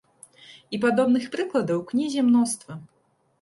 І падобных прыкладаў ў кнізе мноства.